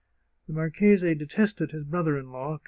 The marchese detested his brother in law.